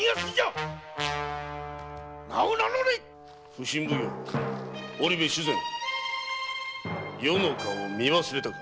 普請奉行・織部主膳余の顔を見忘れたか。